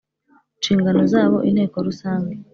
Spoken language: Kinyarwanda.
nshingano zabo Inteko Rusange